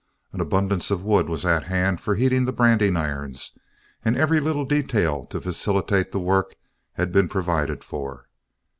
An abundance of wood was at hand for heating the branding irons, and every little detail to facilitate the work had been provided for.